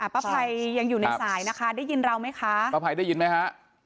ป้าภัยยังอยู่ในสายนะคะได้ยินเราไหมคะป้าภัยได้ยินไหมฮะ